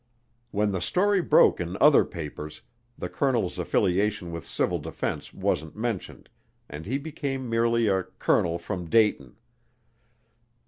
When the story broke in other papers, the colonel's affiliation with civil defense wasn't mentioned, and he became merely "a colonel from Dayton."